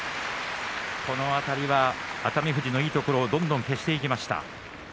この辺りは熱海富士のいいところをどんどん消していきました。